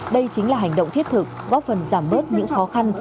đây chính là hành động thiết thực góp phần giảm bớt những khó khăn